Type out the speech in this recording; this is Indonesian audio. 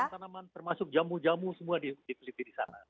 tanaman tanaman termasuk jamu jamu semua dipeliti di sana